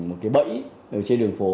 một cái bẫy trên đường phố